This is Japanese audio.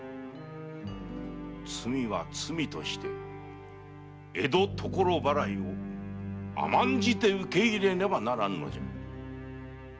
罪は罪として江戸所払いを甘んじて受け入れねばならぬのだ。